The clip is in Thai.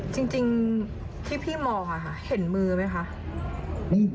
จริงที่พี่มองค่ะเห็นมือไหมคะ